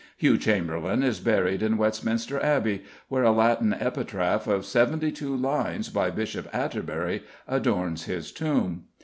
Hugh Chamberlen is buried in Westminster Abbey, where a Latin epitaph of seventy two lines, by Bishop Atterbury, adorns his tomb.